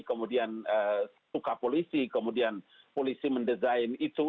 kemudian suka polisi kemudian polisi mendesain itu